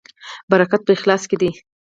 برکت په اخلاص کې دی